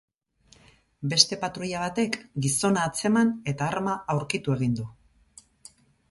Beste patruila batek gizona atzeman eta arma aurkitu egin du.